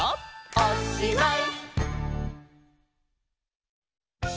「おしまい！」